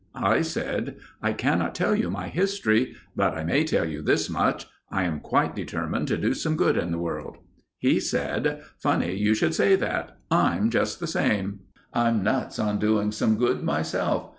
I said— "I cannot tell you my history, but I may tell you this much: I am quite determined to do some good in the world." He said— "Funny you should say that. I'm just the same. I'm nuts on doing some good myself.